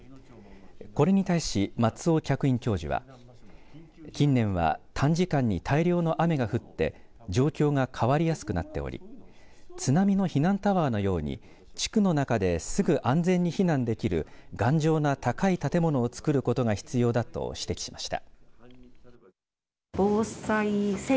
これに対し松尾客員教授は近年は短時間に大量の雨が降って状況が変わりやすくなっており津波の避難タワーのように地区の中ですぐ安全に避難できる頑丈な高い建物を作ることが必要だと指摘しました。